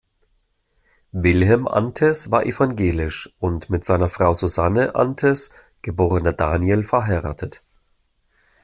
Wilhelm Anthes war evangelisch und mit seiner Frau Susanne Anthes, geborene Daniel verheiratet.